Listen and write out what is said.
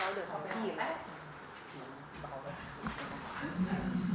ให้พี่ถือให้ไหมอ่ะไม่เป็นไรเราเปลี่ยนพร้อม